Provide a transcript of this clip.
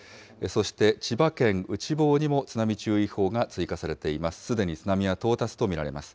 そして千葉県内房にも津波注意報が追加されています。